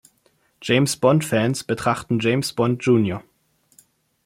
James-Bond-Fans betrachten James Bond Jr.